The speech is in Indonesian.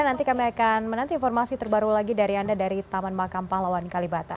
nanti kami akan menanti informasi terbaru lagi dari anda dari taman makam pahlawan kalibata